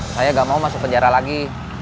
saya nggak mau masuk penjara lagi